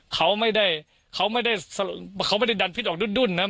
เขาไม่ได้เขาไม่ได้เขาไม่ได้ดันพิษออกดุ้นนะ